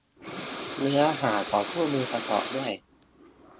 เนื้อหาของคู่มือประกอบด้วย